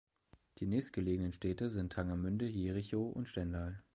Die nächstgelegenen Städte sind Tangermünde, Jerichow und Stendal.